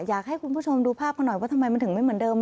อยากให้คุณผู้ชมดูภาพกันหน่อยว่าทำไมมันถึงไม่เหมือนเดิม